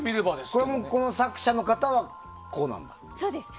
これもこの作者の方はこうなんですか？